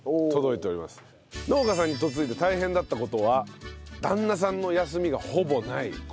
農家さんに嫁いで大変だった事は旦那さんの休みがほぼない事。